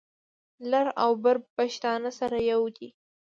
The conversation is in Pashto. لر او بر پښتانه سره یو دي.